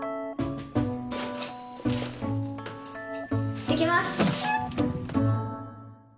行ってきます！